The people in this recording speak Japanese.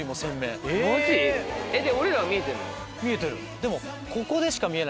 でも。